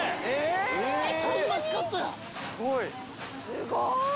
すごーい。